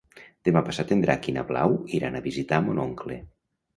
Demà passat en Drac i na Blau iran a visitar mon oncle.